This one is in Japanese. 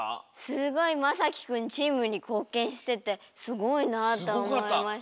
すごいまさきくんチームにこうけんしててすごいなとおもいました。